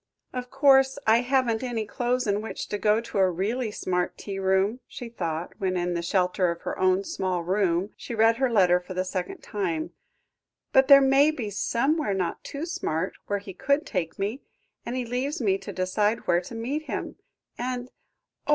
"Of course, I haven't any clothes in which to go to a really smart tea room," she thought, when, in the shelter of her own small room, she read her letter for the second time; "but there maybe somewhere not too smart, where he could take me; and he leaves me to decide where to meet him and oh!